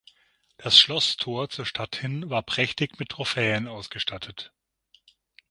Das Schlosstor zur Stadt hin war prächtig mit Trophäen ausgestattet.